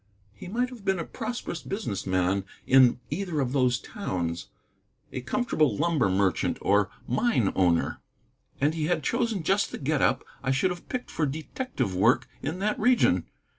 He might have been a prosperous business man in either of those towns, a comfortable lumber merchant or mine owner. And he had chosen just the get up I should have picked for detective work in that region.